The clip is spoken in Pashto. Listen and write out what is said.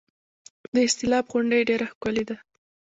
د استالف غونډۍ ډیره ښکلې ده